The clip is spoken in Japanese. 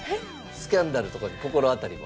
スキャンダルとかに心当たりは。